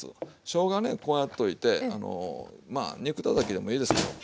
しょうがねこうやっといてまあ肉たたきでもいいですけども。